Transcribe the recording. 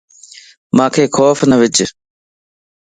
مانک خوف نه وج